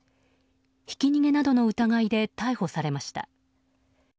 ひき逃げなどの疑いで逮捕されました。